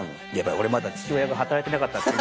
俺まだ父親が働いてなかったっていう。